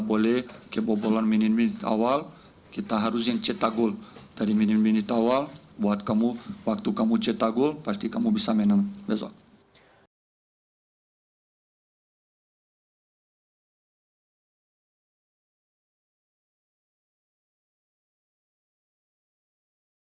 persija menangkan kekuatan di awal menit awal menurut pertanda